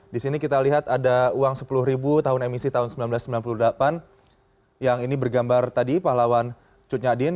di sini kita lihat ada uang sepuluh ribu tahun emisi tahun seribu sembilan ratus sembilan puluh delapan yang ini bergambar tadi pahlawan cut nyadin